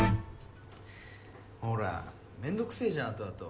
ほらめんどくせぇじゃん後々。